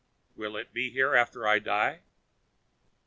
"Will it be here after I die?"